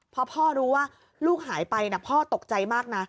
พอพ่อรู้ว่าลูกหายไปพ่อตกใจมากนะ